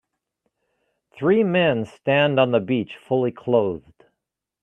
Three men stand on the beach, fully clothed.